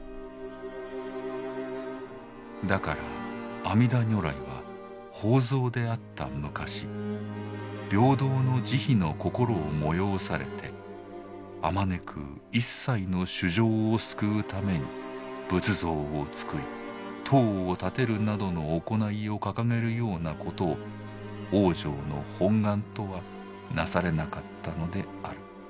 だから阿弥陀如来は法蔵であった昔平等の慈悲の心を催されてあまねく一切の衆生を救うために仏像を作り塔を建てるなどの行いを掲げるようなことを往生の本願とはなされなかったのである。